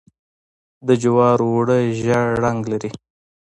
د جوارو اوړه ژیړ رنګ لري.